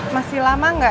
masih lama gak ya